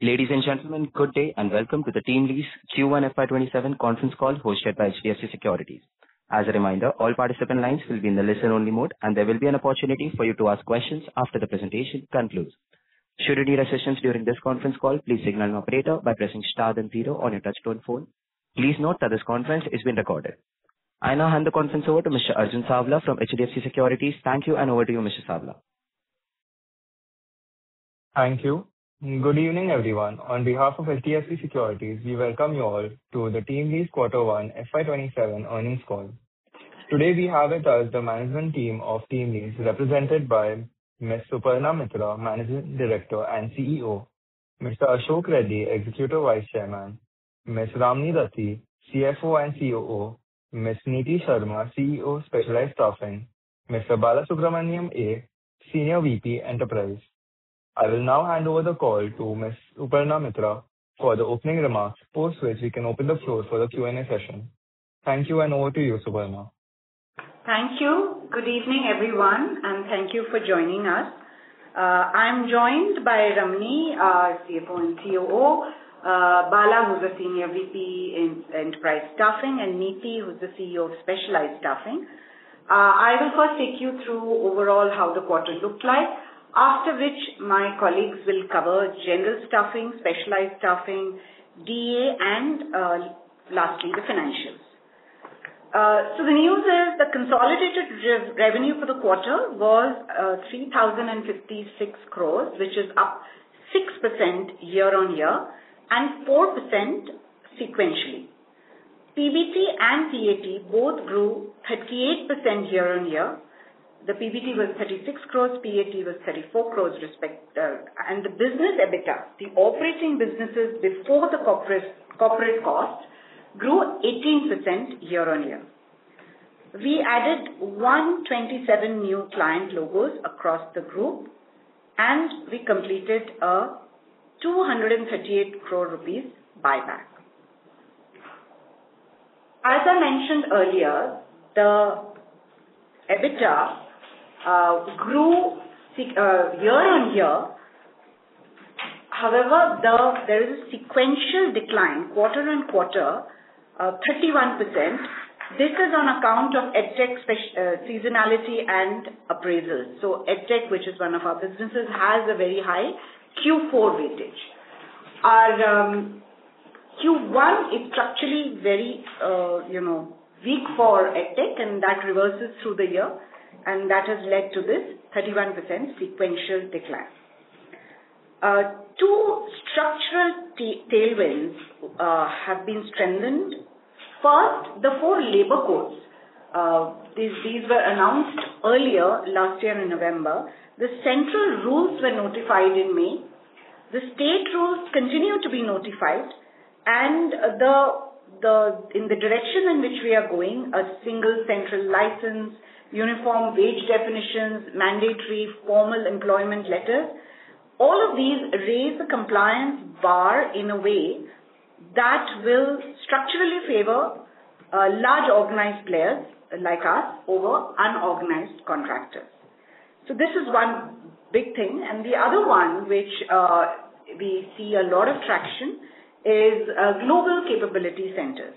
Ladies and gentlemen, good day and welcome to the TeamLease Q1 FY 2027 conference call hosted by HDFC Securities. As a reminder, all participant lines will be in the listen-only mode and there will be an opportunity for you to ask questions after the presentation concludes. Should you need assistance during this conference call, please signal an operator by pressing star then zero on your touchtone phone. Please note that this conference is being recorded. I now hand the conference over to Mr. Arjun Savla from HDFC Securities. Thank you, and over to you, Mr. Savla. Thank you. Good evening, everyone. On behalf of HDFC Securities, we welcome you all to the TeamLease quarter one FY 2027 earnings call. Today we have with us the management team of TeamLease represented by Ms. Suparna Mitra, Managing Director and CEO. Mr. Ashok Reddy, Executive Vice Chairman. Ms. Ramani Dathi, CFO and COO. Ms. Neeti Sharma, CEO of Specialized Staffing. Mr. Balasubramanian A, Senior VP Enterprise. I will now hand over the call to Ms. Suparna Mitra for the opening remarks, post which we can open the floor for the Q&A session. Thank you, and over to you, Suparna. Thank you. Good evening, everyone, and thank you for joining us. I'm joined by Ramani Dathi, our CFO and COO, Bala, who's the Senior VP in Enterprise Staffing, and Neeti, who's the CEO of Specialized Staffing. I will first take you through overall how the quarter looked like, after which my colleagues will cover general staffing, specialized staffing, DA and lastly, the financials. The news is the consolidated revenue for the quarter was 3,056 crore, which is up 6% year-over-year and 4% sequentially. PBT and PAT both grew 38% year-over-year. The PBT was 36 crore, PAT was 34 crore. And the business EBITDA, the operating businesses before the corporate cost, grew 18% year-over-year. We added 127 new client logos across the group, and we completed 238 crore rupees buyback. As I mentioned earlier, the EBITDA grew year-over-year. However, there is a sequential decline quarter-over-quarter of 31%. This is on account of EdTech seasonality and appraisals. EdTech, which is one of our businesses, has a very high Q4 weightage. Our Q1 is structurally very weak for EdTech and that reverses through the year, and that has led to this 31% sequential decline. Two structural tailwinds have been strengthened. First, the four labor codes. These were announced earlier last year in November. The central rules were notified in May. The state rules continue to be notified and in the direction in which we are going, a single central license, uniform wage definitions, mandatory formal employment letter, all of these raise the compliance bar in a way that will structurally favor large organized players like us over unorganized contractors. This is one big thing. The other one, which we see a lot of traction is Global Capability Centres.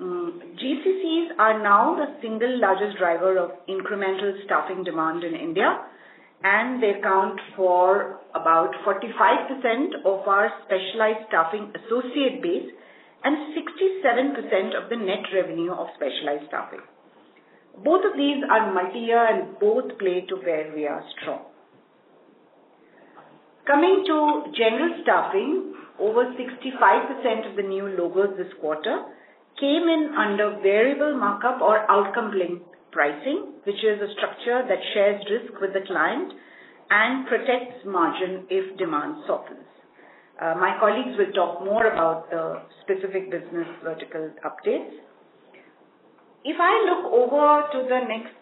GCCs are now the single largest driver of incremental staffing demand in India, and they account for about 45% of our specialized staffing associate base and 67% of the net revenue of specialized staffing. Both of these are multi-year and both play to where we are strong. Coming to general staffing, over 65% of the new logos this quarter came in under variable markup or outcome link pricing, which is a structure that shares risk with the client and protects margin if demand softens. My colleagues will talk more about the specific business vertical updates. If I look over to the next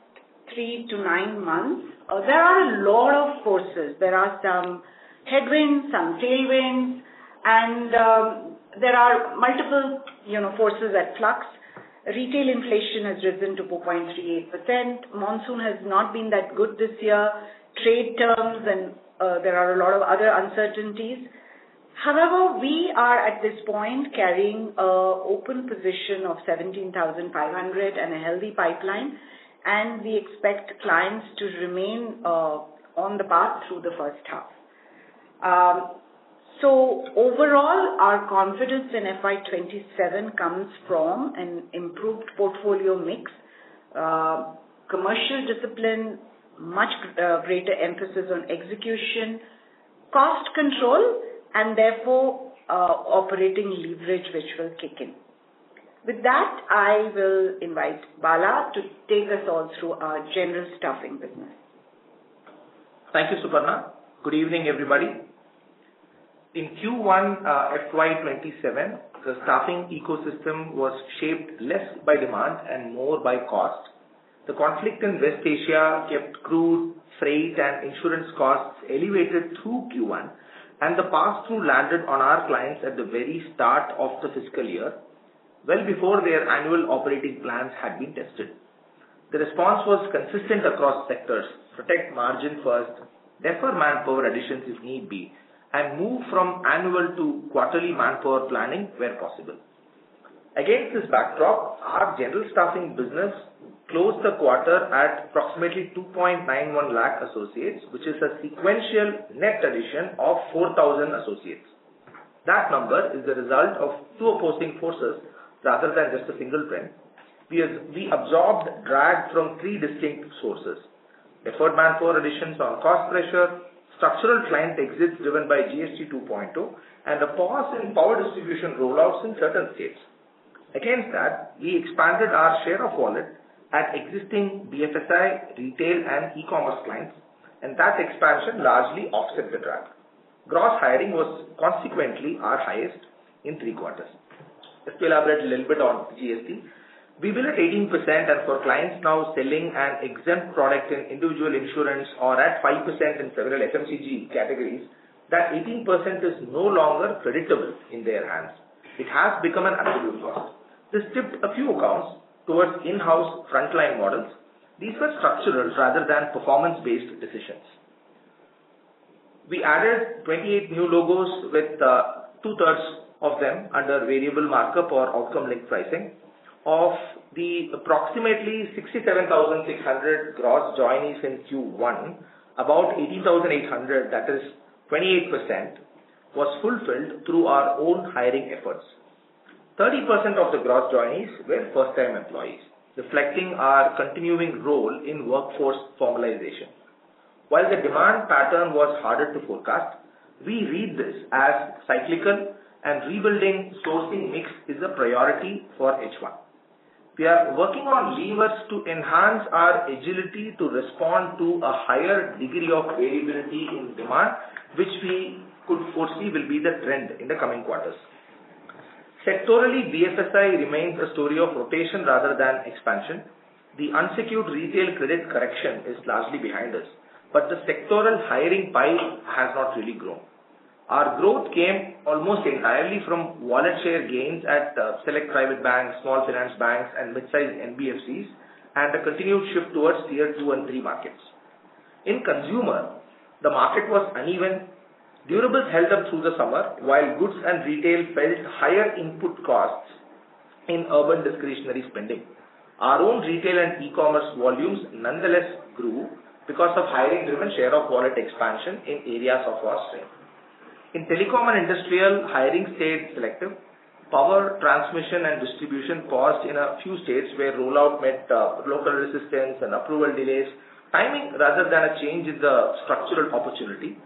seven to nine months, there are a lot of forces. There are some headwinds, some tailwinds, and there are multiple forces at flux. Retail inflation has risen to 4.38%. Monsoon has not been that good this year. Trade terms and there are a lot of other uncertainties. However, we are at this point carrying an open position of 17,500 and a healthy pipeline, and we expect clients to remain on the path through the first half. Overall, our confidence in FY 2027 comes from an improved portfolio mix, commercial discipline, much greater emphasis on execution, cost control and therefore operating leverage which will kick in. With that, I will invite Bala to take us all through our general staffing business. Thank you, Suparna. Good evening, everybody. In Q1 FY 2027, the staffing ecosystem was shaped less by demand and more by cost. The conflict in West Asia kept crude, freight, and insurance costs elevated through Q1, and the pass-through landed on our clients at the very start of the fiscal year, well before their annual operating plans had been tested. The response was consistent across sectors. Protect margin first, defer manpower additions if need be, and move from annual to quarterly manpower planning where possible. Against this backdrop, our general staffing business closed the quarter at approximately 2.91 lakh associates, which is a sequential net addition of 4,000 associates. That number is the result of two opposing forces rather than just a single trend. We absorbed drag from three distinct sources. Deferred manpower additions from cost pressure, structural client exits driven by GST 2.0, and a pause in power distribution rollouts in certain states. Against that, we expanded our share of wallet at existing BFSI, retail, and e-commerce clients, and that expansion largely offset the drag. Gross hiring was consequently our highest in three quarters. Let's elaborate a little bit on GST. Be it at 18% and for clients now selling an exempt product in individual insurance or at 5% in several FMCG categories, that 18% is no longer predictable in their hands. It has become an absolute cost. This tipped a few accounts towards in-house frontline models. These were structural rather than performance-based decisions. We added 28 new logos with two-thirds of them under variable markup or outcome link pricing. Of the approximately 67,600 gross joinees in Q1, about 18,800, that is 28%, was fulfilled through our own hiring efforts. 30% of the gross joinees were first-time employees, reflecting our continuing role in workforce formalization. While the demand pattern was harder to forecast, we read this as cyclical and rebuilding sourcing mix is a priority for H1. We are working on levers to enhance our agility to respond to a higher degree of variability in demand, which we could foresee will be the trend in the coming quarters. Sectorally, BFSI remains a story of rotation rather than expansion. The unsecured retail credit correction is largely behind us, but the sectoral hiring pipe has not really grown. Our growth came almost entirely from wallet share gains at select private banks, small finance banks, and mid-sized NBFCs, and a continued shift towards tier two and three markets. In consumer, the market was uneven. Durables held up through the summer, while goods and retail felt higher input costs in urban discretionary spending. Our own retail and e-commerce volumes nonetheless grew because of hiring-driven share of wallet expansion in areas of our strength. In telecom and industrial, hiring stayed selective. Power transmission and distribution paused in a few states where rollout met local resistance and approval delays. Timing, rather than a change in the structural opportunity.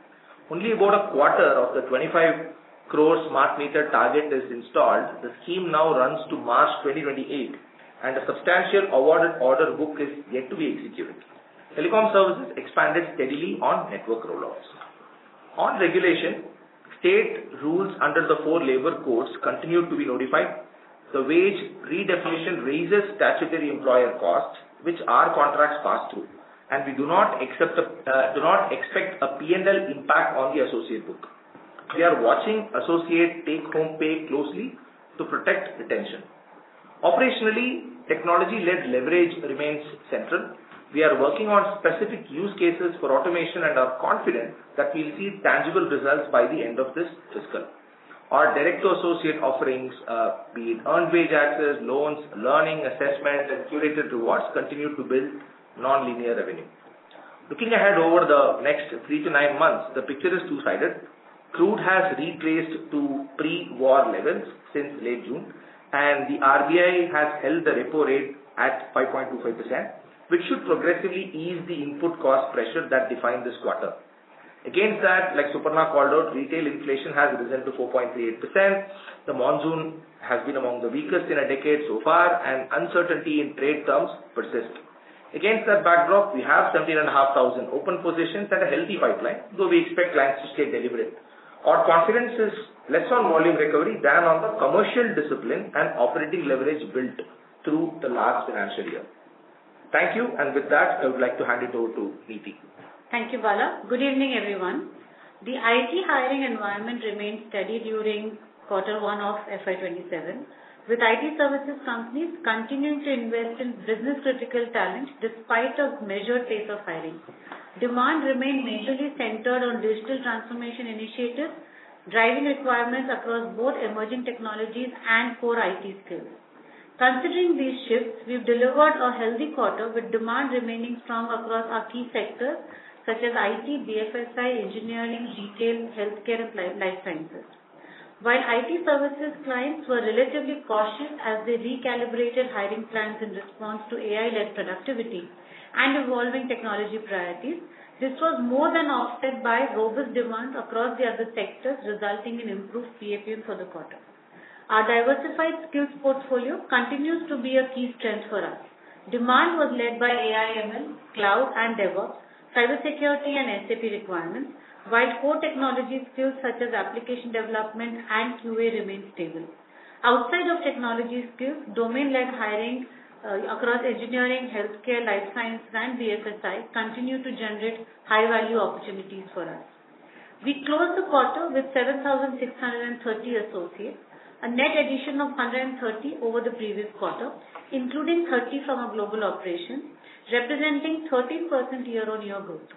Only about a quarter of the 25 crore smart meter target is installed. The scheme now runs to March 2028, and a substantial awarded order book is yet to be executed. Telecom services expanded steadily on network rollouts. On regulation, state rules under the four labor codes continued to be notified. The wage redefinition raises statutory employer costs, which our contracts pass through, and we do not expect a P&L impact on the associate book. We are watching associate take-home pay closely to protect retention. Operationally, technology-led leverage remains central. We are working on specific use cases for automation and are confident that we'll see tangible results by the end of this fiscal. Our direct-to-associate offerings, be it earned wage access, loans, learning assessments, and curated rewards, continue to build non-linear revenue. Looking ahead over the next three to nine months, the picture is two-sided. Crude has retraced to pre-war levels since late June, and the RBI has held the repo rate at 5.25%, which should progressively ease the input cost pressure that defined this quarter. Against that, like Suparna called out, retail inflation has risen to 4.38%. The monsoon has been among the weakest in a decade so far, and uncertainty in trade terms persists. Against that backdrop, we have 17,500 open positions and a healthy pipeline, though we expect clients to stay deliberate. Our confidence is less on volume recovery than on the commercial discipline and operating leverage built through the last financial year. Thank you. With that, I would like to hand it over to Neeti. Thank you, Bala. Good evening, everyone. The IT hiring environment remained steady during Q1 FY 2027, with IT services companies continuing to invest in business-critical talent despite a measured pace of hiring. Demand remained majorly centered on digital transformation initiatives, driving requirements across both emerging technologies and core IT skills. Considering these shifts, we've delivered a healthy quarter with demand remaining strong across our key sectors such as IT, BFSI, engineering, retail, healthcare, and life sciences. While IT services clients were relatively cautious as they recalibrated hiring plans in response to AI-led productivity and evolving technology priorities, this was more than offset by robust demand across the other sectors, resulting in improved CFUs for the quarter. Our diversified skills portfolio continues to be a key strength for us. Demand was led by AI/ML, cloud and DevOps, cybersecurity, and SAP requirements, while core technology skills such as application development and QA remained stable. Outside of technology skills, domain-led hiring across engineering, healthcare, life science, and BFSI continue to generate high-value opportunities for us. We closed the quarter with 7,630 associates, a net addition of 130 over the previous quarter, including 30 from our global operations, representing 13% year-on-year growth.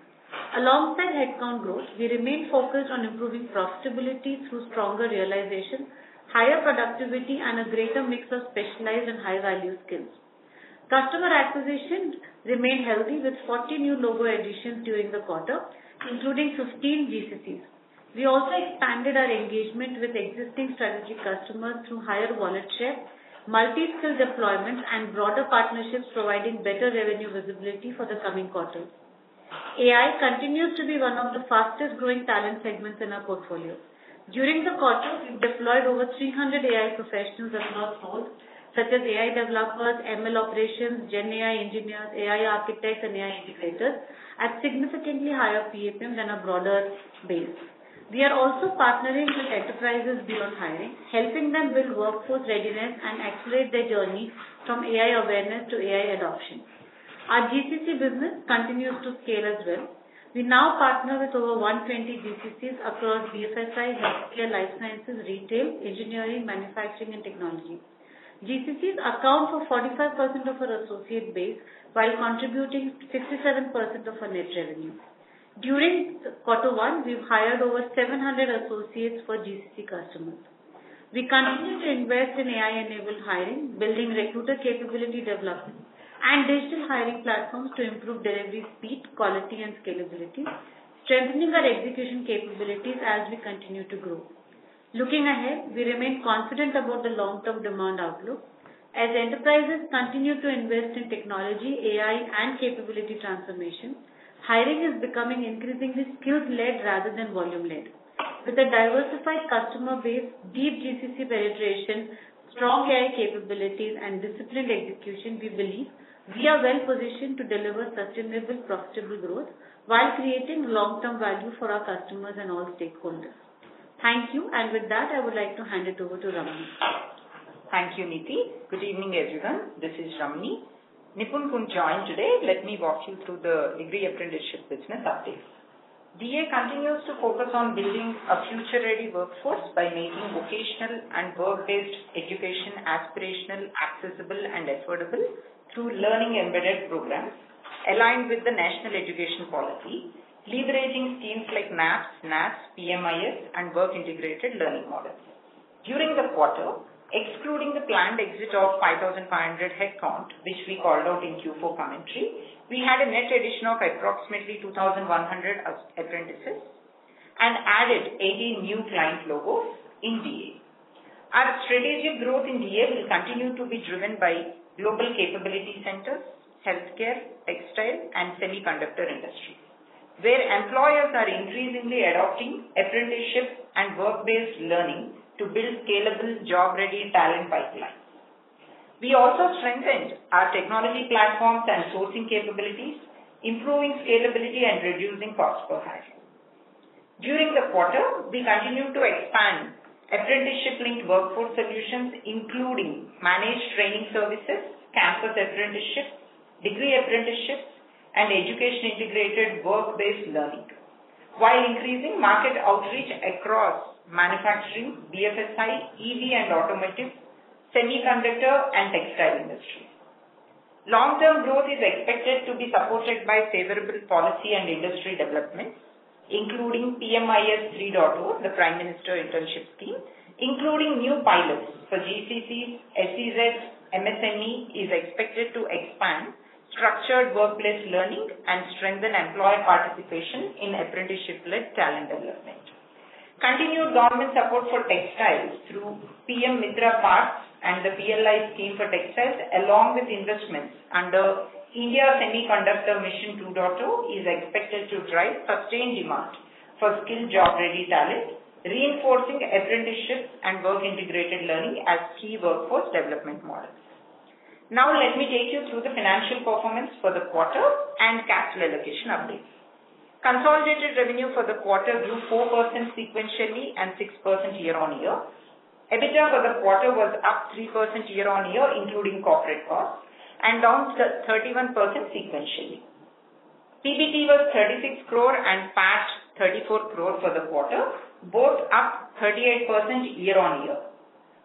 Alongside headcount growth, we remain focused on improving profitability through stronger realization, higher productivity, and a greater mix of specialized and high-value skills. Customer acquisition remained healthy, with 40 new logo additions during the quarter, including 15 GCCs. We also expanded our engagement with existing strategic customers through higher wallet share, multi-skill deployment, and broader partnerships providing better revenue visibility for the coming quarters. AI continues to be one of the fastest-growing talent segments in our portfolio. During the quarter, we deployed over 300 AI professionals across roles such as AI developers, ML operations, GenAI engineers, AI architects, and AI integrators at significantly higher PAPM than our broader base. We are also partnering with enterprises beyond hiring, helping them build workforce readiness and accelerate their journey from AI awareness to AI adoption. Our GCC business continues to scale as well. We now partner with over 120 GCCs across BFSI, healthcare, life sciences, retail, engineering, manufacturing and technology. GCCs account for 45% of our associate base while contributing 57% of our net revenue. During quarter one, we've hired over 700 associates for GCC customers. We continue to invest in AI-enabled hiring, building recruiter capability development, and digital hiring platforms to improve delivery speed, quality and scalability, strengthening our execution capabilities as we continue to grow. Looking ahead, we remain confident about the long-term demand outlook. As enterprises continue to invest in technology, AI and capability transformation, hiring is becoming increasingly skills-led rather than volume-led. With a diversified customer base, deep GCC penetration, strong AI capabilities, and disciplined execution, we believe we are well-positioned to deliver sustainable, profitable growth while creating long-term value for our customers and all stakeholders. Thank you. With that, I would like to hand it over to Ramani. Thank you, Neeti. Good evening, everyone. This is Ramani. Nipun couldn't join today. Let me walk you through the degree apprenticeship business updates. DA continues to focus on building a future-ready workforce by making vocational and work-based education aspirational, accessible, and affordable through learning-embedded programs aligned with the national education policy, leveraging schemes like NAPS, NATS, PMIS, and work integrated learning models. During the quarter, excluding the planned exit of 5,500 headcount, which we called out in Q4 commentary, we had a net addition of approximately 2,100 apprentices and added 80 new client logos in DA. Our strategic growth in DA will continue to be driven by Global Capability Centres, healthcare, textile, and semiconductor industry, where employers are increasingly adopting apprenticeships and work-based learning to build scalable job-ready talent pipelines. We also strengthened our technology platforms and sourcing capabilities, improving scalability and reducing cost per hire. During the quarter, we continued to expand apprenticeship-linked workforce solutions, including managed training services, campus apprenticeships, degree apprenticeships, and education-integrated work-based learning, while increasing market outreach across manufacturing, BFSI, EV and automotive, semiconductor, and textile industry. Long-term growth is expected to be supported by favorable policy and industry developments, including PMIS 3.0, the Prime Minister Internship Scheme, including new pilots for GCCs, SEZs, MSME is expected to expand structured workplace learning and strengthen employer participation in apprenticeship-led talent development. Continued government support for textiles through PM MITRA parks and the PLI scheme for textiles, along with investments under India Semiconductor Mission 2.0 is expected to drive sustained demand for skilled job-ready talent, reinforcing apprenticeships and work integrated learning as key workforce development models. Let me take you through the financial performance for the quarter and capital allocation updates. Consolidated revenue for the quarter grew 4% sequentially and 6% year-on-year. EBITDA for the quarter was up 3% year-on-year, including corporate costs, and down 31% sequentially. PBT was 36 crore and PAT 34 crore for the quarter, both up 38% year-on-year.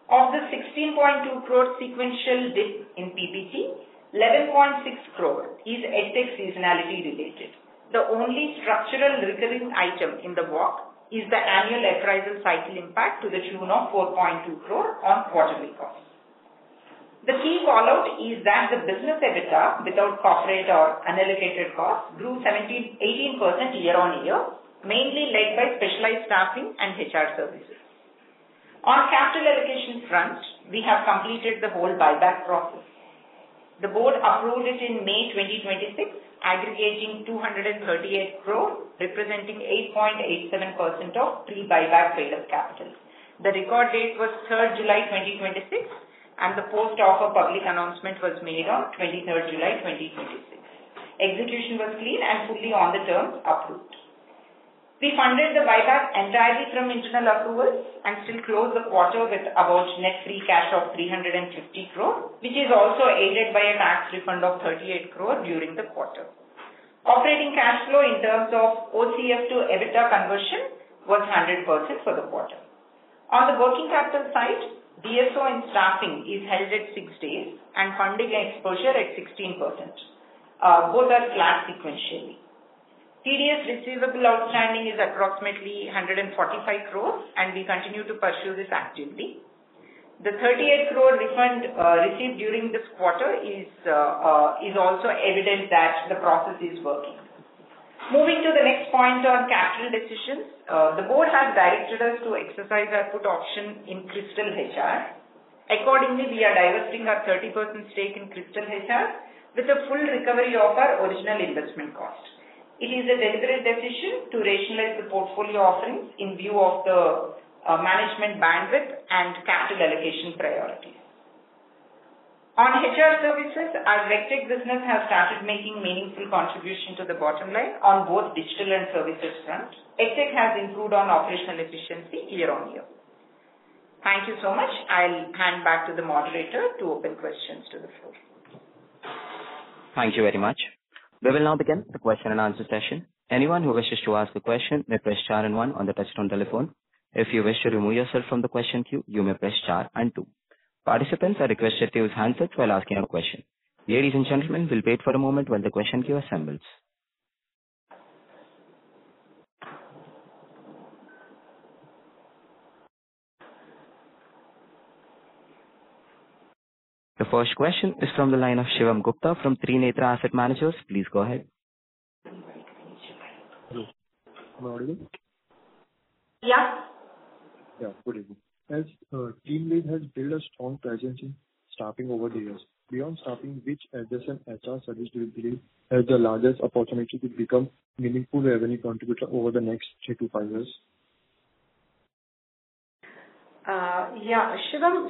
Of the 16.2 crore sequential dip in PBT, 11.6 crore is EdTech seasonality related. The only structural recurring item in the walk is the annual appraisal cycle impact to the tune of 4.2 crore on quarterly costs. The key fallout is that the business EBITDA, without corporate or unallocated costs, grew 18% year-on-year, mainly led by specialized staffing and HR services. On capital allocation front, we have completed the whole buyback process. The board approved it in May 2026, aggregating 238 crore, representing 8.87% of pre-buyback paid-up capital. The record date was July 3rd, 2026, and the post-offer public announcement was made on July 23rd, 2026. Execution was clean and fully on the terms approved. We funded the buyback entirely from internal accruals and still closed the quarter with about net free cash of 350 crore, which is also aided by a tax refund of 38 crore during the quarter. Operating cash flow in terms of OCF to EBITDA conversion was 100% for the quarter. On the working capital side, DSO in staffing is held at six days and funding exposure at 16%. Both are flat sequentially. CDS receivable outstanding is approximately 145 crore and we continue to pursue this actively. The 38 crore refund received during this quarter is also evidence that the process is working. Moving to the next point on capital decisions. The board has directed us to exercise our put option in Crystal HR. Accordingly, we are divesting our 30% stake in Crystal HR with a full recovery of our original investment cost. It is a deliberate decision to rationalize the portfolio offerings in view of the management bandwidth and capital allocation priorities. On HR services, our EdTech business has started making meaningful contribution to the bottom line on both digital and services front. EdTech has improved on operational efficiency year on year. Thank you so much. I'll hand back to the moderator to open questions to the floor. Thank you very much. We will now begin the question and answer session. Anyone who wishes to ask a question may press star and one on the touchtone telephone. If you wish to remove yourself from the question queue, you may press star and two. Participants are requested to use handsets while asking a question. Ladies and gentlemen, we'll wait for a moment while the question queue assembles. The first question is from the line of Shivam Gupta from Trinetra Asset Managers. Please go ahead. Hello. Am I audible? Yeah. Yeah. Good evening. As TeamLease has built a strong presence in staffing over the years, beyond staffing, which adjacent HR service do you believe has the largest opportunity to become meaningful revenue contributor over the next three to five years? Yeah, Shivam.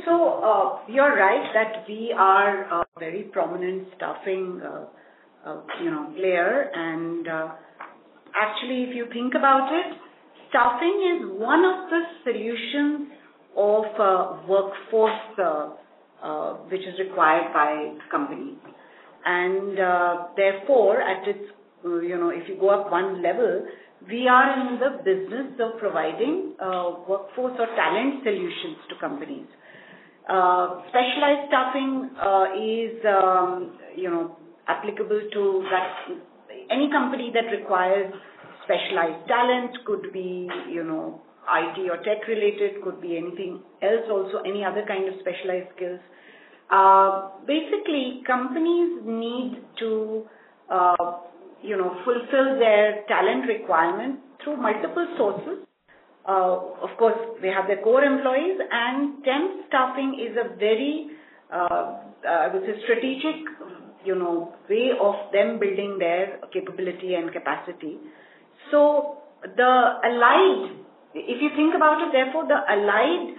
You're right that we are a very prominent staffing player, actually, if you think about it, staffing is one of the solutions of workforce which is required by companies. Therefore, if you go up one level, we are in the business of providing workforce or talent solutions to companies. Specialized staffing is applicable to any company that requires specialized talent, could be IT or tech related, could be anything else, also any other kind of specialized skills. Basically, companies need to fulfill their talent requirement through multiple sources. Of course, they have their core employees, and temp staffing is a very strategic way of them building their capability and capacity. If you think about it, therefore, the allied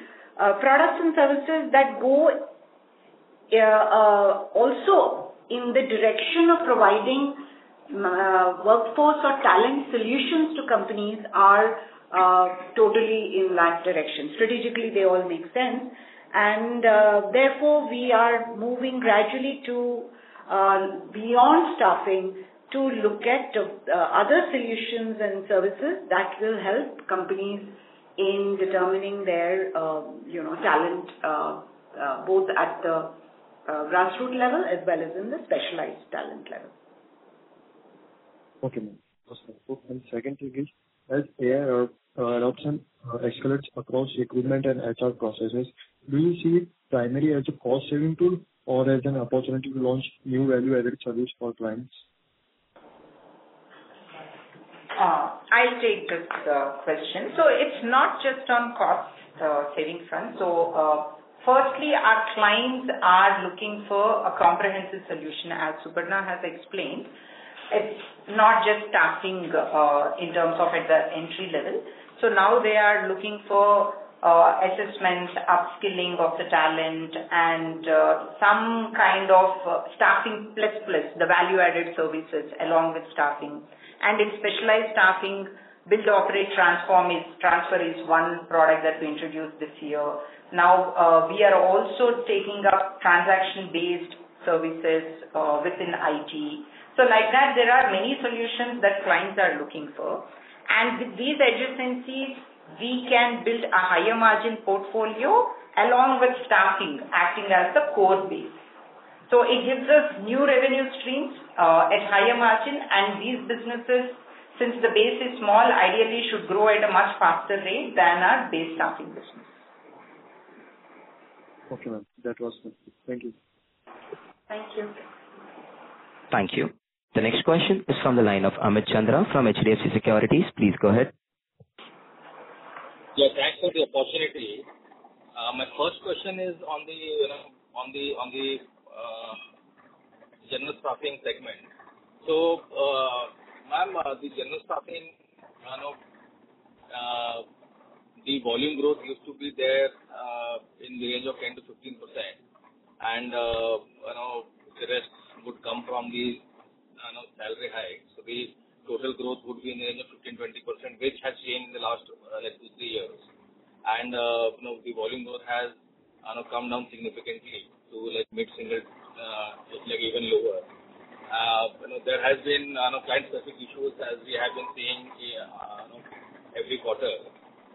products and services that go also in the direction of providing workforce or talent solutions to companies are totally in that direction. Strategically, they all make sense, therefore, we are moving gradually to beyond staffing to look at other solutions and services that will help companies in determining their talent, both at the grassroot level as well as in the specialized talent level. Okay, ma'am. Awesome. Second is, as AI adoption escalates across recruitment and HR processes, do you see it primarily as a cost-saving tool or as an opportunity to launch new value-added service for clients? I'll take this question. It's not just on cost savings front. Firstly, our clients are looking for a comprehensive solution, as Suparna has explained. It's not just staffing in terms of at the entry level. Now they are looking for assessment, upskilling of the talent, and some kind of staffing plus plus, the value-added services along with staffing. In specialized staffing, build, operate, transfer is one product that we introduced this year. Now, we are also taking up transaction-based services within IT. Like that, there are many solutions that clients are looking for. With these adjacencies, we can build a higher margin portfolio along with staffing acting as the core base. It gives us new revenue streams at higher margin. These businesses, since the base is small, ideally should grow at a much faster rate than our base staffing business. Okay, ma'am. That was it. Thank you. Thank you. Thank you. The next question is from the line of Amit Chandra from HDFC Securities. Please go ahead. Yeah, thanks for the opportunity. My first question is on the general staffing segment. Ma'am, the general staffing, the volume growth used to be there in the range of 10%-15%, and the rest would come from the salary hike. Would be in the range of 15%-20%, which has changed in the last two, three years. The volume growth has come down significantly to mid-singles, even lower. There has been client-specific issues as we have been seeing every quarter.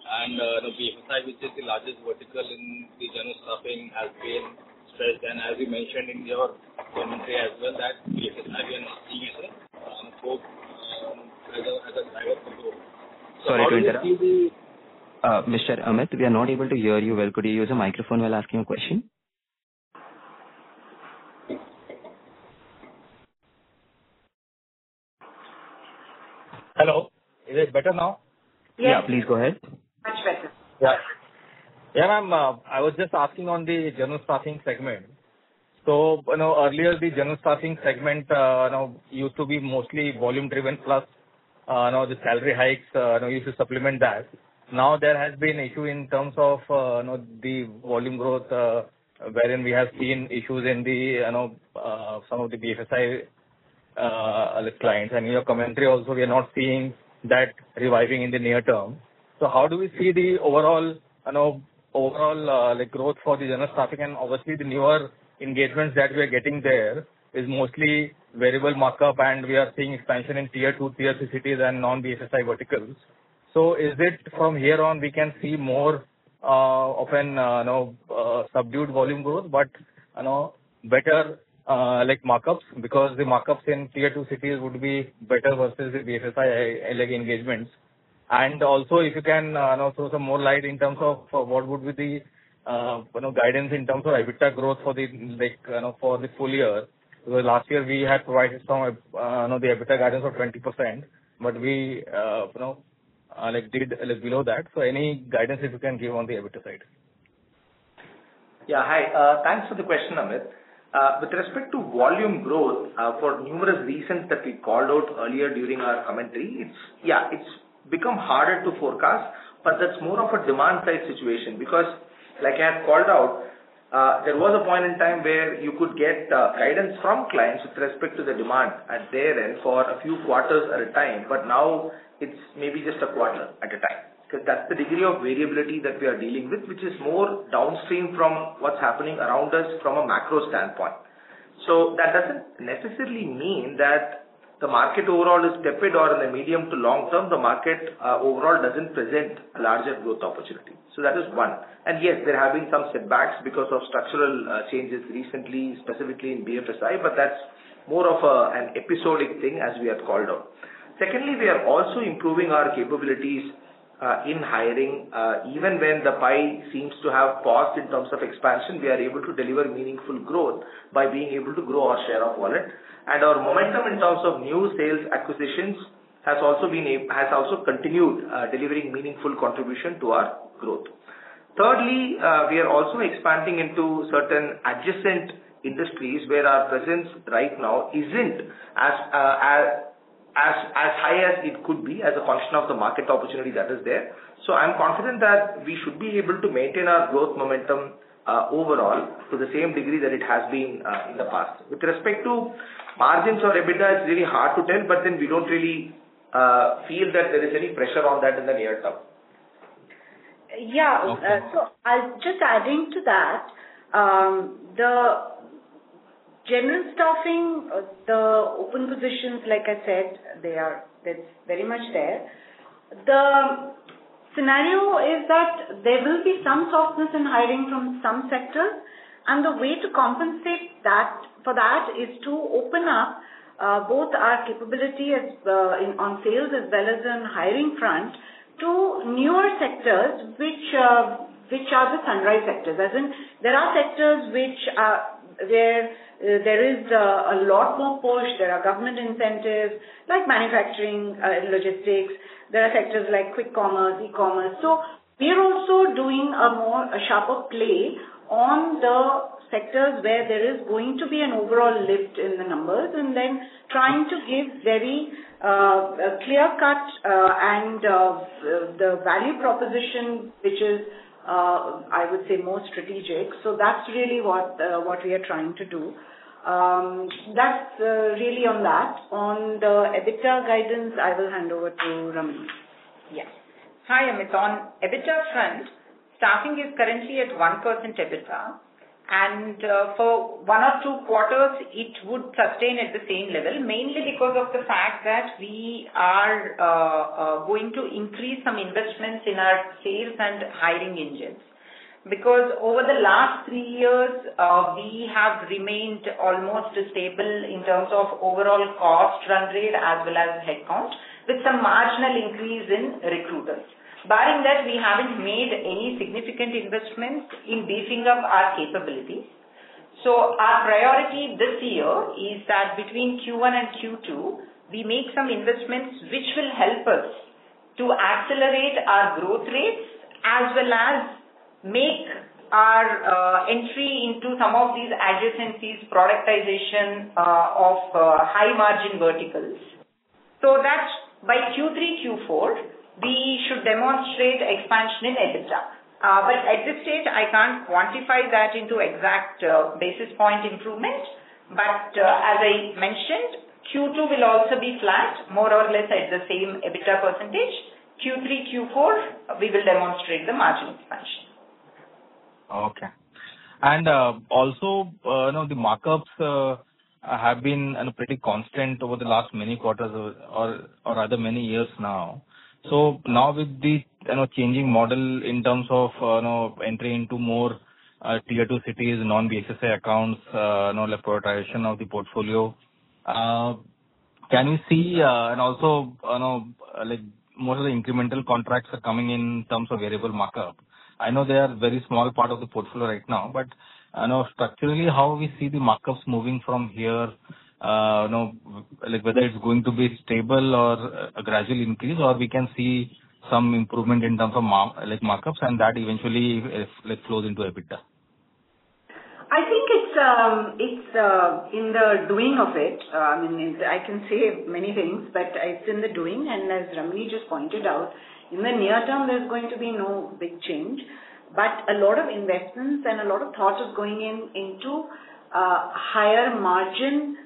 BFSI, which is the largest vertical in the general staffing, has been stressed. As we mentioned in your commentary as well, that BFSI we are not seeing as a driver for growth. Sorry to interrupt. Mr. Amit, we are not able to hear you well. Could you use a microphone while asking a question? Hello. Is it better now? Yeah. Please go ahead. Much better. I was just asking on the general staffing segment. Earlier, the general staffing segment used to be mostly volume-driven plus the salary hikes used to supplement that. There has been issue in terms of the volume growth, wherein we have seen issues in some of the BFSI clients. In your commentary also, we are not seeing that reviving in the near term. How do we see the overall growth for the general staffing? Obviously, the newer engagements that we are getting there is mostly variable markup, and we are seeing expansion in tier two, tier three cities and non-BFSI verticals. Is it from here on, we can see more of a subdued volume growth but better markups? Because the markups in tier two cities would be better versus the BFSI engagements. Also, if you can throw some more light in terms of what would be the guidance in terms of EBITDA growth for the full year. Because last year we had provided some EBITDA guidance of 20%, but we did below that. Any guidance that you can give on the EBITDA side? Hi. Thanks for the question, Amit. With respect to volume growth, for numerous reasons that we called out earlier during our commentary, it's become harder to forecast, that's more of a demand-side situation. Like I had called out, there was a point in time where you could get guidance from clients with respect to the demand at their end for a few quarters at a time. Now it's maybe just a quarter at a time, because that's the degree of variability that we are dealing with, which is more downstream from what's happening around us from a macro standpoint. That doesn't necessarily mean that the market overall is tepid or in the medium to long term, the market overall doesn't present a larger growth opportunity. That is one. Yes, they're having some setbacks because of structural changes recently, specifically in BFSI, that's more of an episodic thing as we have called out. Secondly, we are also improving our capabilities in hiring. Even when the pie seems to have paused in terms of expansion, we are able to deliver meaningful growth by being able to grow our share of wallet. Our momentum in terms of new sales acquisitions has also continued delivering meaningful contribution to our growth. Thirdly, we are also expanding into certain adjacent industries where our presence right now isn't as high as it could be as a function of the market opportunity that is there. I'm confident that we should be able to maintain our growth momentum overall to the same degree that it has been in the past. With respect to margins or EBITDA, it's really hard to tell, we don't really feel that there is any pressure on that in the near term. Yeah. Just adding to that. The general staffing, the open positions, like I said, that's very much there. The scenario is that there will be some softness in hiring from some sectors, and the way to compensate for that is to open up both our capability on sales as well as on hiring front to newer sectors, which are the sunrise sectors. As in, there are sectors where there is a lot more push. There are government incentives like manufacturing and logistics. There are sectors like quick commerce, e-commerce. We are also doing a sharper play on the sectors where there is going to be an overall lift in the numbers and trying to give very clear cut and the value proposition, which is, I would say, more strategic. That's really what we are trying to do. That's really on that. On the EBITDA guidance, I will hand over to Ramani. Yes. Hi, Amit. On EBITDA front, staffing is currently at 1% EBITDA, and for one or two quarters it would sustain at the same level, mainly because of the fact that we are going to increase some investments in our sales and hiring engines. Because over the last three years, we have remained almost stable in terms of overall cost run rate as well as headcount, with some marginal increase in recruiters. Barring that, we haven't made any significant investments in beefing up our capabilities. Our priority this year is that between Q1 and Q2, we make some investments which will help us to accelerate our growth rates as well as make our entry into some of these adjacencies, productization of high-margin verticals. That's by Q2 Q4, we should demonstrate expansion in EBITDA. At this state, I can't quantify that into exact basis point improvement. As I mentioned, Q2 will also be flat, more or less at the same EBITDA percentage. Q3, Q4, we will demonstrate the margin expansion. Okay. Also, the markups have been pretty constant over the last many quarters or rather many years now. Now with the changing model in terms of entry into more tier two cities, non-BFSI accounts, prioritization of the portfolio, can we see most of the incremental contracts are coming in in terms of variable markup. I know they are very small part of the portfolio right now, but structurally, how we see the markups moving from here, whether it's going to be stable or a gradual increase, or we can see some improvement in terms of markups and that eventually flows into EBITDA? I think it's in the doing of it. I mean, I can say many things, but it's in the doing, and as Ramani just pointed out, in the near term, there's going to be no big change. A lot of investments and a lot of thought is going into higher margin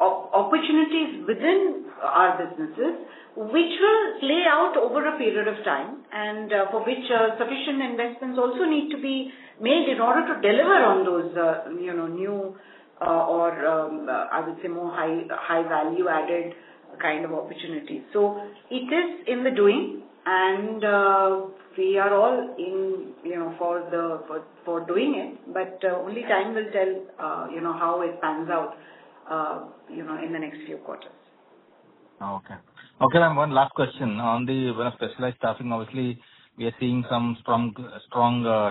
opportunities within our businesses, which will play out over a period of time, and for which sufficient investments also need to be made in order to deliver on those new or, I would say, more high value-added kind of opportunities. It is in the doing and we are all in for doing it. Only time will tell how it pans out in the next few quarters. Okay. Okay, ma'am, one last question. On the specialized staffing, obviously, we are seeing some strong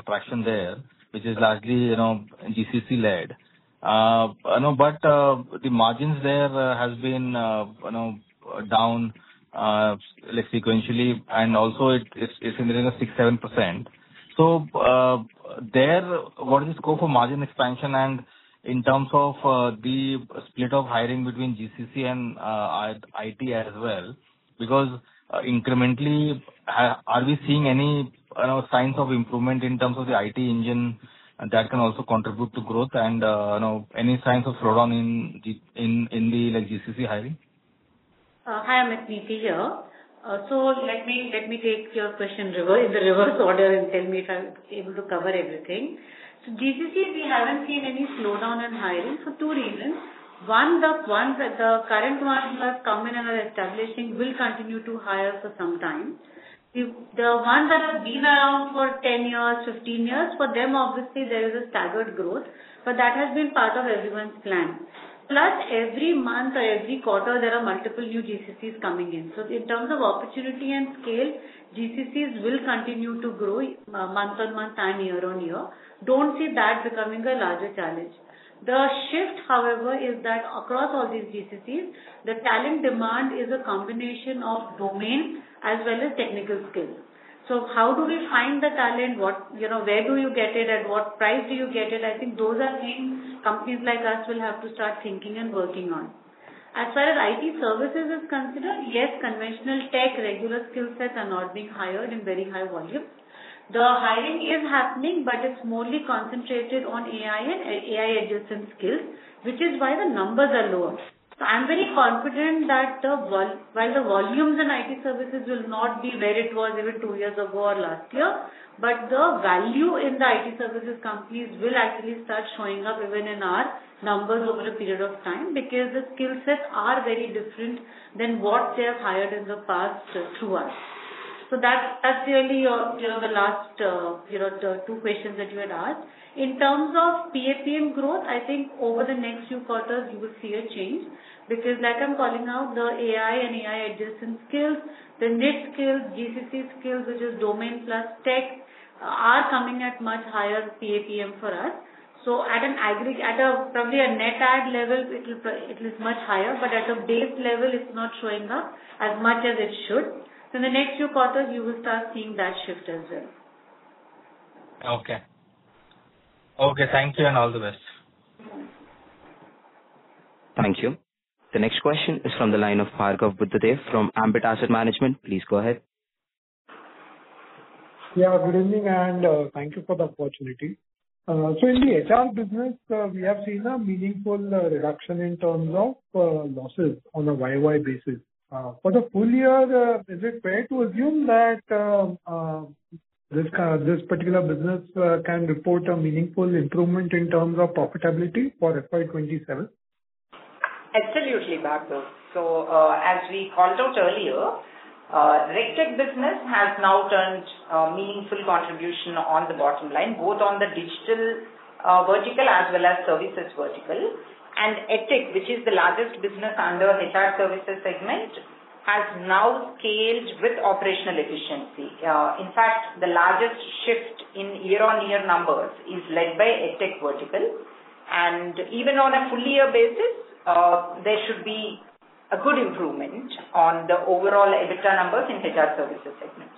traction there, which is largely GCC-led. I know, but the margins there has been down sequentially, and also it's in the range of 6%-7%. There, what is the scope for margin expansion and in terms of the split of hiring between GCC and IT as well? Incrementally, are we seeing any signs of improvement in terms of the IT engine that can also contribute to growth and any signs of slowdown in the GCC hiring? Hi, Amit. Neeti here. Let me take your question in the reverse order and tell me if I'm able to cover everything. GCC, we haven't seen any slowdown in hiring for two reasons. One, the ones that the current ones that have come in and are establishing will continue to hire for some time. The ones that have been around for 10 years, 15 years, for them, obviously, there is a staggered growth. That has been part of everyone's plan. Every month or every quarter, there are multiple new GCCs coming in. In terms of opportunity and scale, GCCs will continue to grow month on month and year-on-year. Don't see that becoming a larger challenge. The shift, however, is that across all these GCCs, the talent demand is a combination of domain as well as technical skills. How do we find the talent? Where do you get it? At what price do you get it? I think those are things companies like us will have to start thinking and working on. As far as IT services is considered, yes, conventional tech regular skill sets are not being hired in very high volumes. The hiring is happening, but it's more concentrated on AI and AI-adjacent skills, which is why the numbers are lower. I'm very confident that while the volumes in IT services will not be where it was even two years ago or last year, but the value in the IT services companies will actually start showing up even in our numbers over a period of time, because the skill sets are very different than what they have hired in the past through us. That's really the last two questions that you had asked. In terms of PAPM growth, I think over the next few quarters, you will see a change, because like I'm calling out the AI and AI-adjacent skills, the niche skills, GCC skills, which is domain plus tech, are coming at much higher PAPM for us. Probably at a net add level, it is much higher, but at a base level, it's not showing up as much as it should. In the next few quarters, you will start seeing that shift as well. Okay. Okay, thank you and all the best. Thank you. Thank you. The next question is from the line of Bhargav Buddhadev from Ambit Asset Management. Please go ahead. Good evening, and thank you for the opportunity. In the HR business, we have seen a meaningful reduction in terms of losses on a YoY basis. For the full year, is it fair to assume that this particular business can report a meaningful improvement in terms of profitability for FY 2027? Absolutely, Bhargav. As we called out earlier, Regtech business has now turned a meaningful contribution on the bottom line, both on the digital vertical as well as services vertical. EdTech, which is the largest business under HR services segment, has now scaled with operational efficiency. In fact, the largest shift in year-over-year numbers is led by EdTech vertical. Even on a full year basis, there should be a good improvement on the overall EBITDA numbers in HR services segment.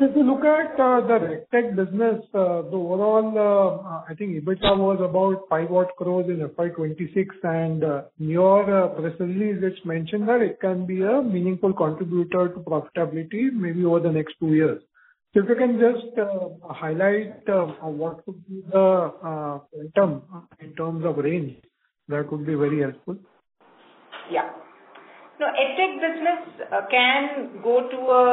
If you look at the Regtech business, the overall, I think EBITDA was about INR five odd crores in FY 2026. Neeraj recently just mentioned that it can be a meaningful contributor to profitability maybe over the next two years. If you can just highlight what could be the quantum in terms of range, that could be very helpful. Yeah. EdTech business can go to a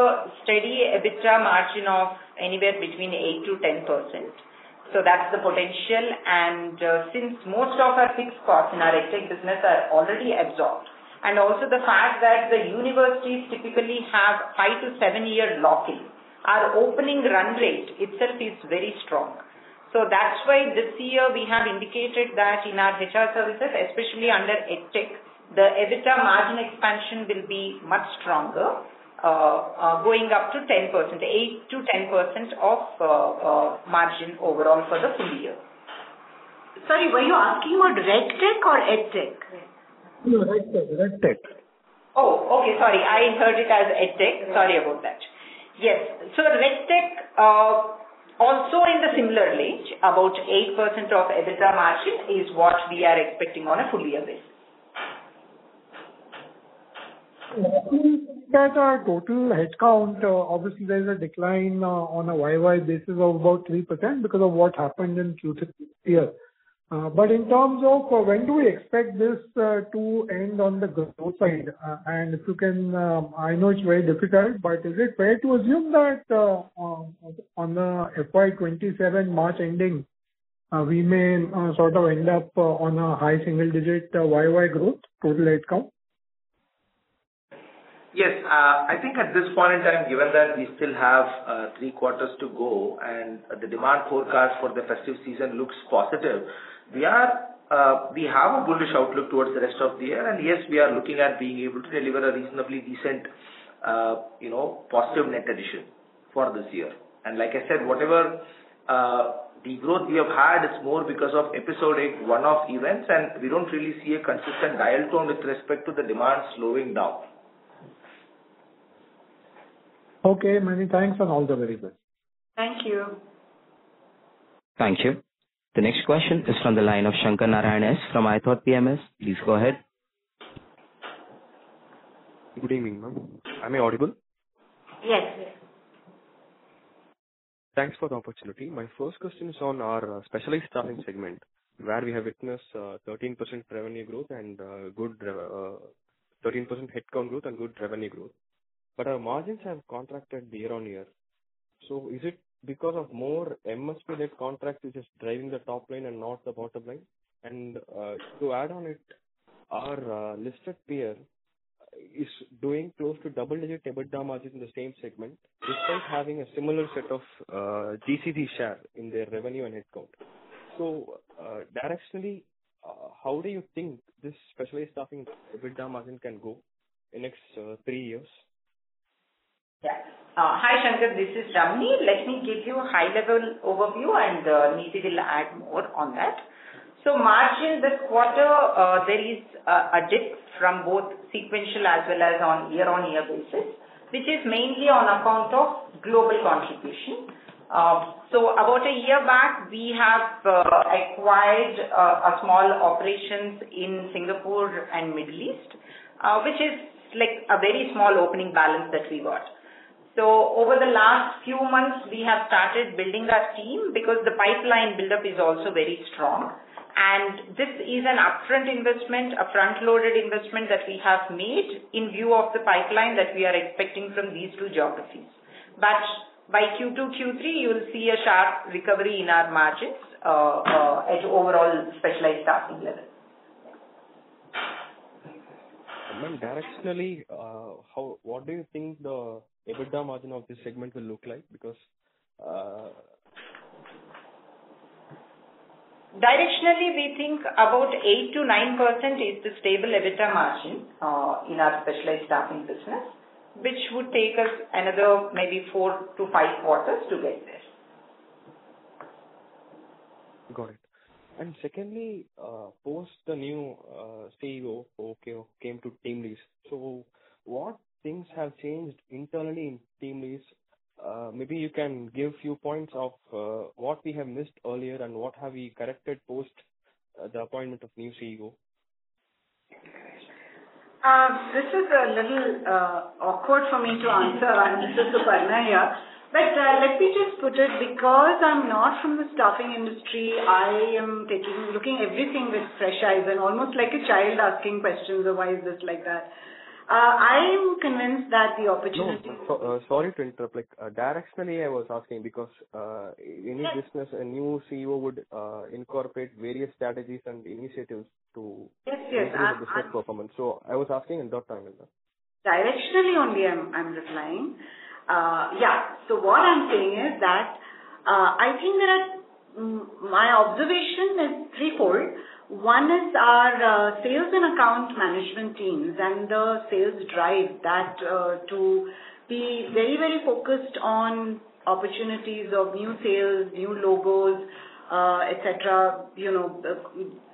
steady EBITDA margin of anywhere between 8%-10%. That's the potential. Since most of our fixed costs in our EdTech business are already absorbed, also the fact that the universities typically have five-to-seven-year locking, our opening run rate itself is very strong. That's why this year we have indicated that in our HR services, especially under EdTech, the EBITDA margin expansion will be much stronger, going up to 10%, 8%-10% of margin overall for the full year. Sorry, were you asking about Regtech or EdTech? No, Regtech. Oh, okay. Sorry, I heard it as EdTech. Sorry about that. Yes. Regtech, also in the similar range, about 8% of EBITDA margin is what we are expecting on a full year basis. Looking at our total headcount, obviously there is a decline on a YoY basis of about 3% because of what happened in Q3 here. In terms of when do we expect this to end on the growth side? If you can, I know it is very difficult, but is it fair to assume that on the FY 2027 March ending, we may sort of end up on a high single-digit YoY growth total headcount? Yes. I think at this point in time, given that we still have three quarters to go and the demand forecast for the festive season looks positive, we have a bullish outlook towards the rest of the year. Yes, we are looking at being able to deliver a reasonably decent positive net addition for this year. Like I said, whatever de-growth we have had is more because of episodic one-off events, and we do not really see a consistent dial tone with respect to the demand slowing down. Okay, Mani. Thanks. All the very best. Thank you. Thank you. The next question is from the line of Sankara Narayanan from iThought PMS. Please go ahead. Good evening, ma'am. Am I audible? Yes. Thanks for the opportunity. My first question is on our specialized staffing segment, where we have witnessed 13% headcount growth and good revenue growth. Our margins have contracted year-on-year. Is it because of more MSP-led contracts which is driving the top line and not the bottom line? To add on it, our listed peer is doing close to double-digit EBITDA margin in the same segment despite having a similar set of GCC share in their revenue and headcount. Directionally, how do you think this specialized staffing EBITDA margin can go in next three years? Hi, Sankara. This is Ramani. Let me give you a high-level overview and Neeti will add more on that. Margin this quarter, there is a dip from both sequential as well as on year-on-year basis, which is mainly on account of global contribution. About a year back, we have acquired a small operations in Singapore and Middle East, which is a very small opening balance that we got. Over the last few months, we have started building our team because the pipeline buildup is also very strong. This is an upfront investment, a front-loaded investment that we have made in view of the pipeline that we are expecting from these two geographies. By Q2, Q3, you'll see a sharp recovery in our margins at overall specialized staffing level. Ma'am, directionally, what do you think the EBITDA margin of this segment will look like? Because- Directionally, we think about 8%-9% is the stable EBITDA margin in our specialized staffing business, which would take us another maybe four to five quarters to get there. Got it. Secondly, post the new CEO who came to TeamLease, what things have changed internally in TeamLease? Maybe you can give few points of what we have missed earlier and what have we corrected post the appointment of new CEO. This is a little awkward for me to answer. This is Suparna here. Let me just put it because I'm not from the staffing industry, I am looking everything with fresh eyes and almost like a child asking questions of why is this like that. I am convinced that the opportunity- No. Sorry to interrupt. Directionally, I was asking because any business- Yeah a new CEO would incorporate various strategies and initiatives to- Yes improve the business performance. I was asking in that angle. Directionally only I'm replying. What I'm saying is that I think that my observation is threefold. One is our sales and account management teams and the sales drive that to be very focused on opportunities of new sales, new logos, etc.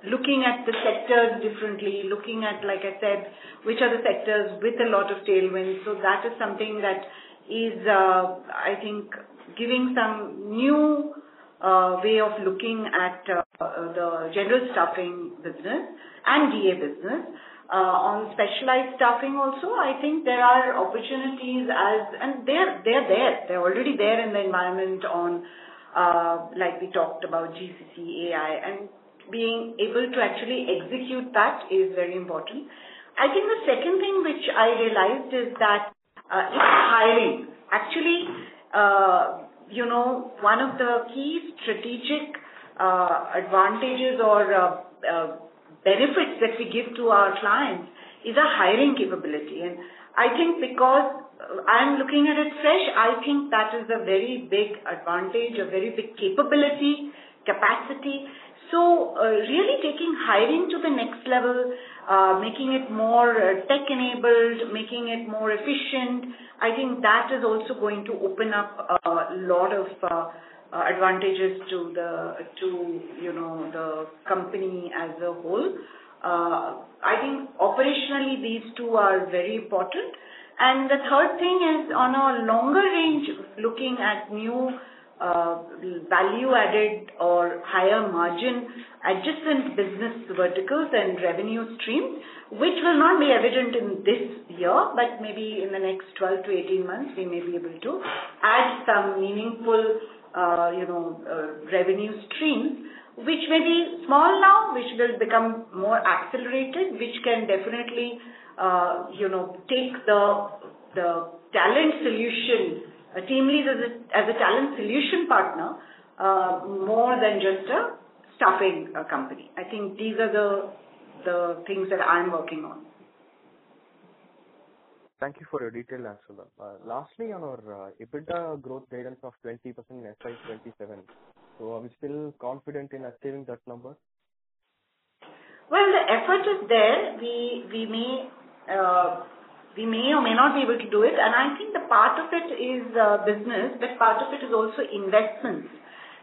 Looking at the sectors differently, looking at, like I said, which are the sectors with a lot of tailwind. That is something that is I think giving some new way of looking at the general staffing business and DA business. On specialized staffing also, I think there are opportunities, and they're there. They're already there in the environment on, like we talked about GCC, AI, and being able to actually execute that is very important. I think the second thing which I realized is that is hiring. Actually, one of the key strategic advantages or benefits that we give to our clients is a hiring capability. I think because I'm looking at it fresh, I think that is a very big advantage, a very big capability, capacity. Really taking hiring to the next level, making it more tech-enabled, making it more efficient, I think that is also going to open up a lot of advantages to the company as a whole. I think operationally, these two are very important. The third thing is on a longer range, looking at new value-added or higher margin adjacent business verticals and revenue streams, which will not be evident in this year, but maybe in the next 12-18 months, we may be able to add some meaningful revenue streams, which may be small now, which will become more accelerated, which can definitely take TeamLease as a talent solution partner, more than just a staffing company. I think these are the things that I'm working on. Thank you for your detailed answer. Lastly, on our EBITDA growth guidance of 20% in FY 2027, are we still confident in achieving that number? Well, the effort is there. We may or may not be able to do it, I think the part of it is business, but part of it is also investments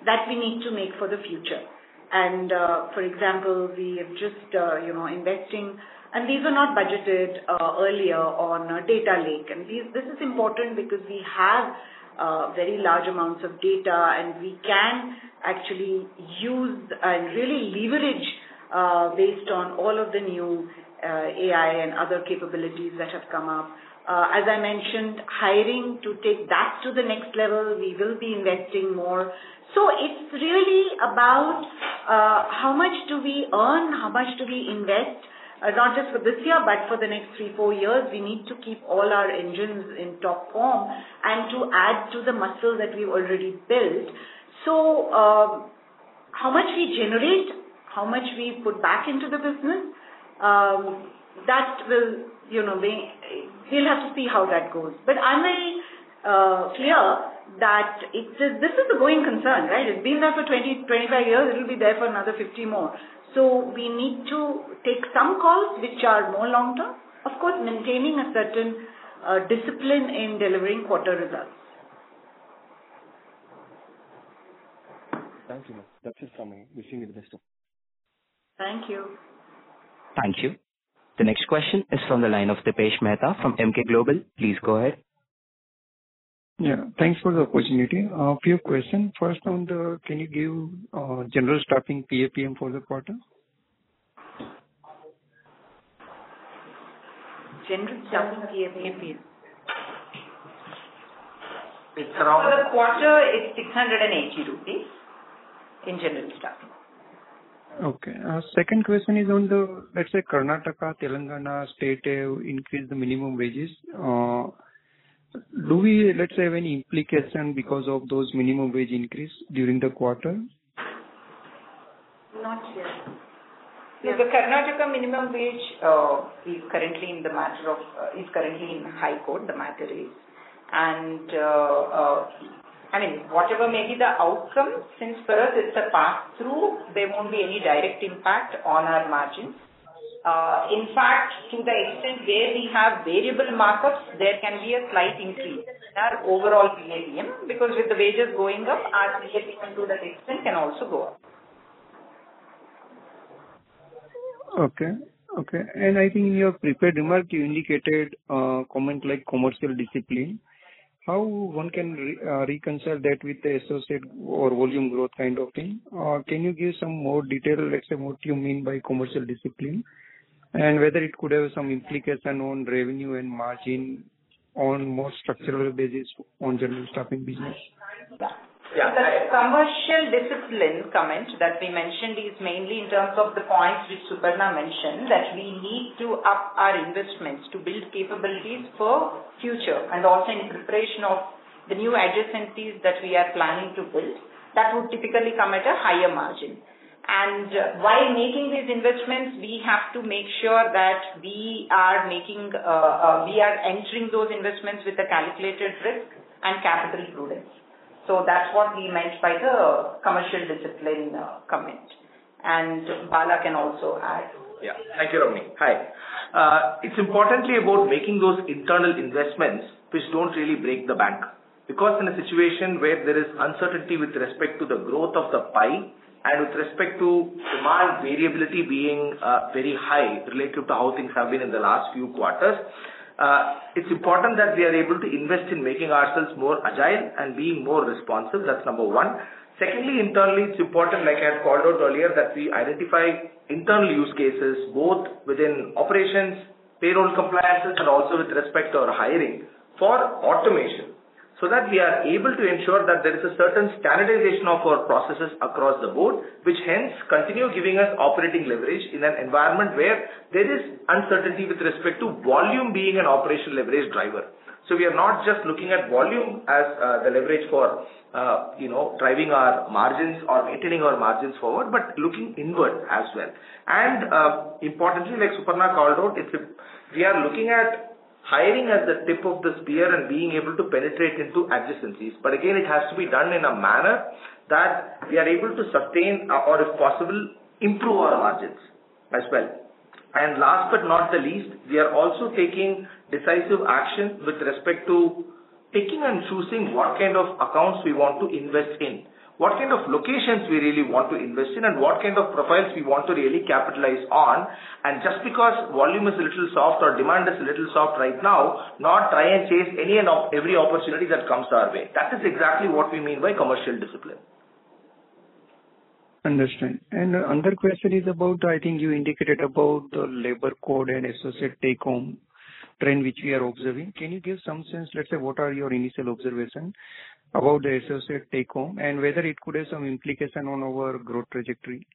that we need to make for the future. For example, we are just investing, and these were not budgeted earlier on Data Lake. This is important because we have very large amounts of data, and we can actually use and really leverage based on all of the new AI and other capabilities that have come up. As I mentioned, hiring to take that to the next level, we will be investing more. It's really about how much do we earn, how much do we invest, not just for this year, but for the next three, four years, we need to keep all our engines in top form and to add to the muscle that we've already built. How much we generate, how much we put back into the business, we'll have to see how that goes. I'm very clear that this is the going concern, right? It's been there for 25 years, it'll be there for another 50 more. We need to take some calls which are more long-term. Of course, maintaining a certain discipline in delivering quarter results. Thank you, ma'am. That's it from me. Wishing you the best of luck. Thank you. Thank you. The next question is from the line of Dipesh Mehta from Emkay Global. Please go ahead. Yeah. Thanks for the opportunity. A few questions. Can you give general staffing PAPM for the quarter? General staffing PAPM. For the quarter, it's 680 rupees in general staffing. Okay. Second question is on. Let's say Karnataka, Telangana state increased the minimum wages. Do we have any implication because of those minimum wage increase during the quarter? Not yet. The Karnataka minimum wage is currently in High Court, the matter is. Whatever may be the outcome, since for us it's a pass-through, there won't be any direct impact on our margins. In fact, to the extent where we have variable markups, there can be a slight increase in our overall PAPM, because with the wages going up, our PAPM to that extent can also go up. Okay. I think in your prepared remarks, you indicated a comment like commercial discipline. How one can reconcile that with the associate or volume growth kind of thing? Can you give some more detail, let's say, what you mean by commercial discipline? Whether it could have some implication on revenue and margin on more structural basis on general staffing business. The commercial discipline comment that we mentioned is mainly in terms of the points which Suparna mentioned, that we need to up our investments to build capabilities for future, also in preparation of the new adjacencies that we are planning to build, that would typically come at a higher margin. While making these investments, we have to make sure that we are entering those investments with a calculated risk and capital prudence. That's what we meant by the commercial discipline comment. Bala can also add. Thank you, Ramani. It's importantly about making those internal investments which don't really break the bank. In a situation where there is uncertainty with respect to the growth of the pie. With respect to demand variability being very high relative to how things have been in the last few quarters, it's important that we are able to invest in making ourselves more agile and being more responsive. That's number one. Secondly, internally, it's important, like I had called out earlier, that we identify internal use cases, both within operations, payroll compliances, also with respect to our hiring for automation. That we are able to ensure that there is a certain standardization of our processes across the board, which hence continue giving us operating leverage in an environment where there is uncertainty with respect to volume being an operational leverage driver. We are not just looking at volume as the leverage for driving our margins or maintaining our margins forward, but looking inward as well. Importantly, like Suparna called out, we are looking at hiring at the tip of the spear and being able to penetrate into adjacencies. Again, it has to be done in a manner that we are able to sustain or, if possible, improve our margins as well. Last but not the least, we are also taking decisive action with respect to picking and choosing what kind of accounts we want to invest in, what kind of locations we really want to invest in, what kind of profiles we want to really capitalize on. Just because volume is a little soft or demand is a little soft right now, not try and chase every opportunity that comes our way. That is exactly what we mean by commercial discipline. Understand. Another question is about, I think you indicated about the labor code and associate take-home trend, which we are observing. Can you give some sense, let's say, what are your initial observations about the associate take-home, and whether it could have some implication on our growth trajectory?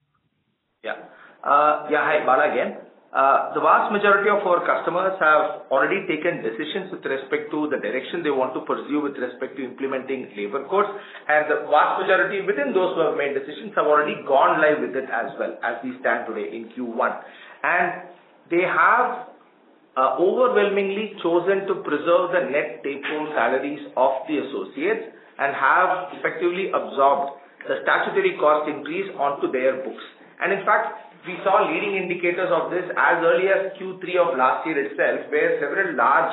Yeah. Hi, Bala again. The vast majority of our customers have already taken decisions with respect to the direction they want to pursue with respect to implementing labor codes. The vast majority within those who have made decisions have already gone live with it as well as we stand today in Q1. They have overwhelmingly chosen to preserve the net take-home salaries of the associates and have effectively absorbed the statutory cost increase onto their books. In fact, we saw leading indicators of this as early as Q3 of last year itself, where several large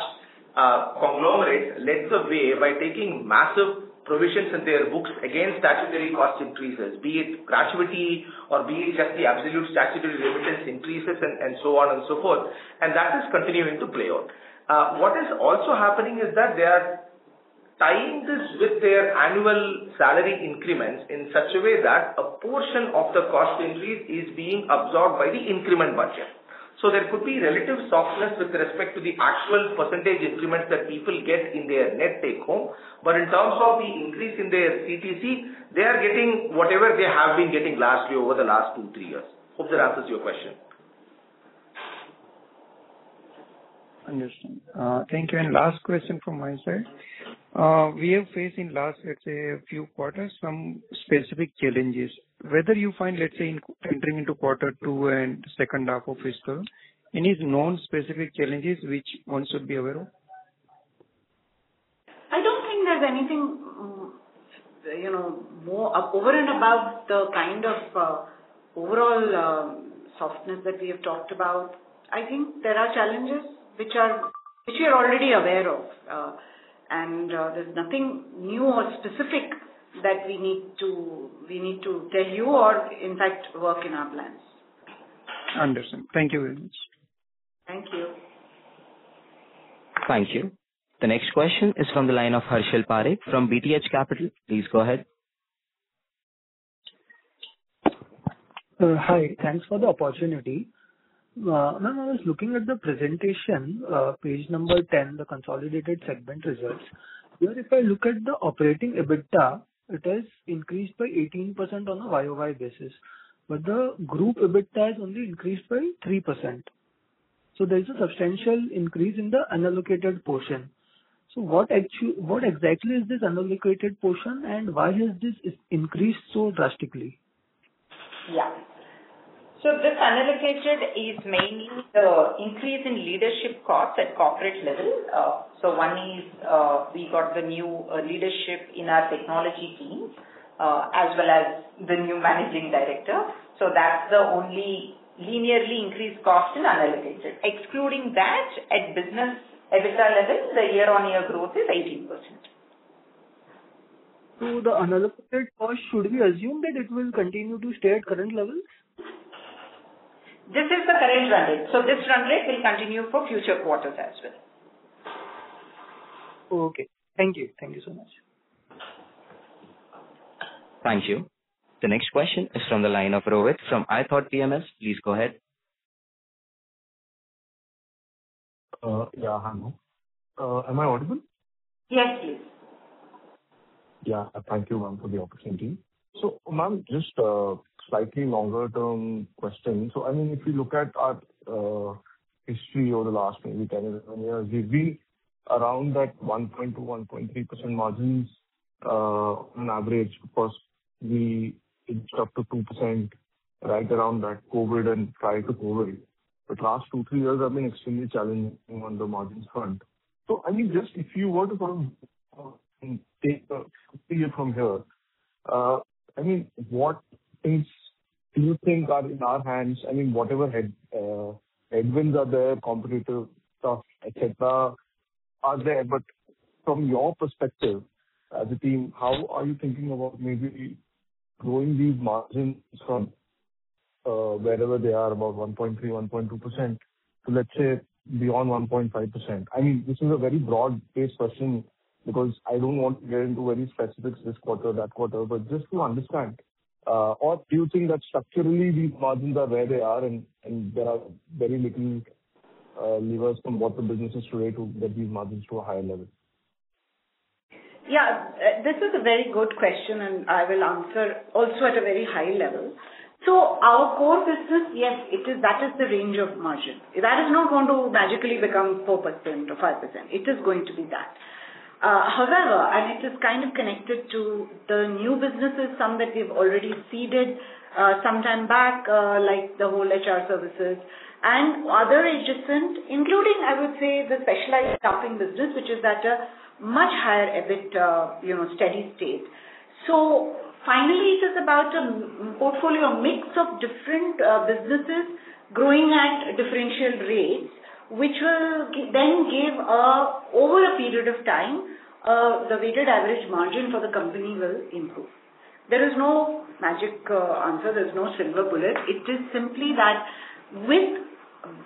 conglomerates led the way by taking massive provisions in their books against statutory cost increases, be it gratuity or be it just the absolute statutory remittances increases and so on and so forth. That is continuing to play out. What is also happening is that they are tying this with their annual salary increments in such a way that a portion of the cost increase is being absorbed by the increment budget. There could be relative softness with respect to the actual percentage increments that people get in their net take-home. In terms of the increase in their CTC, they are getting whatever they have been getting last year over the last two, three years. Hope that answers your question. Understand. Thank you. Last question from my side. We have faced in last, let's say, few quarters, some specific challenges. Whether you find, let's say, entering into quarter two and second half of fiscal, any known specific challenges which one should be aware of? I don't think there's anything over and above the kind of overall softness that we have talked about. I think there are challenges which we are already aware of. There's nothing new or specific that we need to tell you or, in fact, work in our plans. Understand. Thank you very much. Thank you. Thank you. The next question is from the line of Harshal Parekh from BTH Capital. Please go ahead. Hi, thanks for the opportunity. Ma'am, I was looking at the presentation, page 10, the consolidated segment results. If I look at the operating EBITDA, it has increased by 18% on a YoY basis, but the group EBITDA has only increased by 3%. There is a substantial increase in the unallocated portion. What exactly is this unallocated portion, and why has this increased so drastically? Yeah. This unallocated is mainly the increase in leadership costs at corporate level. One is we got the new leadership in our technology teams, as well as the new Managing Director. That's the only linearly increased cost in unallocated. Excluding that, at business EBITDA levels, the year-on-year growth is 18%. The unallocated cost, should we assume that it will continue to stay at current levels? This is the current run rate. This run rate will continue for future quarters as well. Okay. Thank you. Thank you so much. Thank you. The next question is from the line of Rohit from ROTH PMS. Please go ahead. Yeah. Hi, ma'am. Am I audible? Yes, please. Thank you, ma'am, for the opportunity. Ma'am, just a slightly longer-term question. If you look at our history over the last maybe 10 or 11 years, we've been around that 1.2%, 1.3% margins on average. Of course, we inched up to 2% right around that COVID and prior to COVID. Last two, three years have been extremely challenging on the margins front. Just if you were to take a view from here, what things do you think are in our hands? Whatever headwinds are there, competitor stuff, etc, are there. From your perspective as a team, how are you thinking about maybe growing these margins from wherever they are, about 1.3%, 1.2%, to, let's say, beyond 1.5%? This is a very broad-based question because I don't want to get into very specifics this quarter, that quarter, but just to understand. Do you think that structurally, these margins are where they are, and there are very little levers from what the business is today to get these margins to a higher level? This is a very good question, and I will answer also at a very high level. Our core business, yes, that is the range of margin. That is not going to magically become 4% or 5%. It is going to be that. However, it is kind of connected to the new businesses, some that we've already seeded sometime back, like the whole HR services and other adjacent, including, I would say, the specialized staffing business, which is at a much higher EBIT, steady state. Finally, it is about a portfolio mix of different businesses growing at differential rates, which will then give, over a period of time, the weighted average margin for the company will improve. There is no magic answer. There's no silver bullet. It is simply that with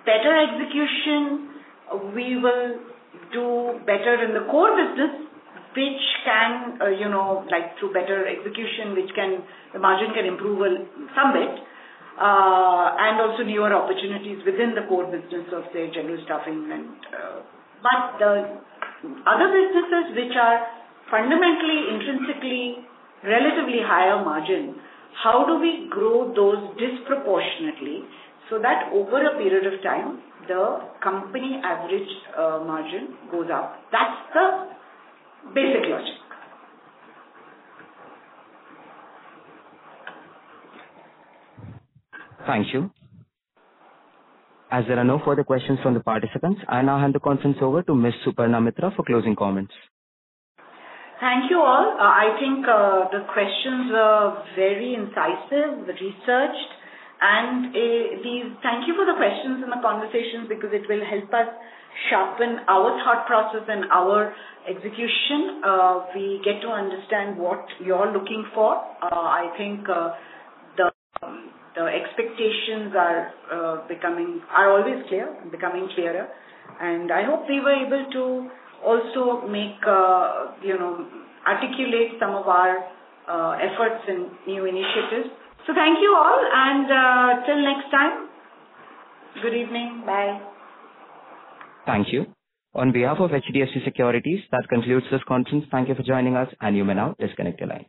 better execution, we will do better in the core business, through better execution, the margin can improve somewhat, and also newer opportunities within the core business of, say, general staffing. The other businesses which are fundamentally, intrinsically, relatively higher margin, how do we grow those disproportionately, so that over a period of time, the company average margin goes up? That's the basic logic. Thank you. As there are no further questions from the participants, I now hand the conference over to Ms. Suparna Mitra for closing comments. Thank you all. I think the questions were very incisive, researched, thank you for the questions and the conversations because it will help us sharpen our thought process and our execution. We get to understand what you're looking for. I think the expectations are always clear, becoming clearer. I hope we were able to also articulate some of our efforts in new initiatives. Thank you all. Till next time, good evening. Bye. Thank you. On behalf of HDFC Securities, that concludes this conference. Thank you for joining us, and you may now disconnect your lines.